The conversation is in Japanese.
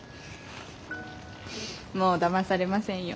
もうだまされませんよ。